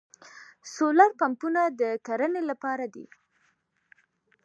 سولر پمپونه د کرنې لپاره دي.